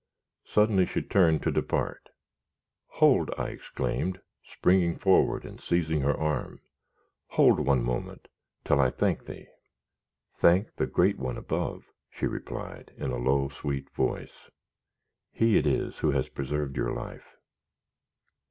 Suddenly she turned to depart. "Hold!" exclaimed I, springing forward and seizing her arm; "hold one moment, till I thank thee." "Thank the Great One above," she replied, in a low, sweet voice. "He it is who has preserved your life."